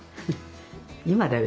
今だよ